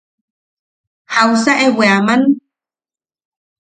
¿Jausa e weaman?